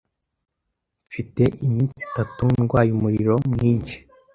Mfite iminsi itatu ndwaye umuriro mwinshi.